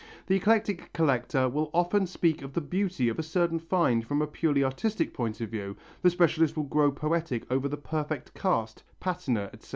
The eclectic collector will often speak of the beauty of a certain find from a purely artistic point of view, the specialist will grow poetic over the perfect cast, patina, etc.